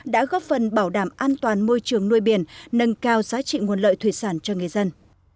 đã góp phần bảo đảm an toàn môi trường nuôi biển nâng cao giá trị nguồn lợi thủy sản cho người dân